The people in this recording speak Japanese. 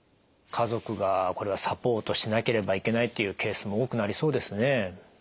家族がこれはサポートしなければいけないっていうケースも多くなりそうですね。